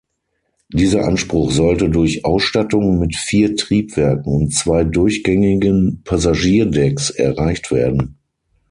Dieser Anspruch sollte durch Ausstattung mit vier Triebwerken und zwei durchgängigen Passagierdecks erreicht werden.